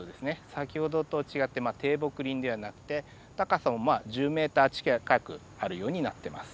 先ほどとは違って低木林ではなくて高さも１０メーター近くあるようになってます。